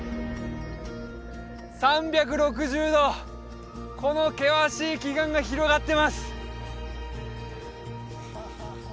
３６０度この険しい奇岩が広がってます